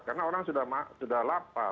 karena orang sudah lapar